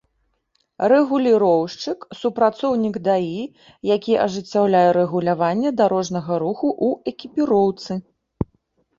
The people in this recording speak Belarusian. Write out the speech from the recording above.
Рэгуліроўшчык — супрацоўнік ДАІ, які ажыццяўляе рэгуляванне дарожнага руху ў экіпіроўцы